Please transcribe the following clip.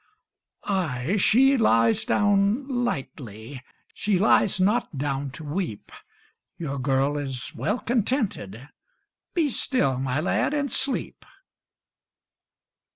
Ay, she lies down lightly, She lies not down to weep: Your girl is well contented. Be still, my lad, and sleep.